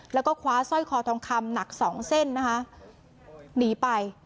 แล้วก็คว้าสร้อยคอทองคำหนักสองเส้นนะคะหนีไป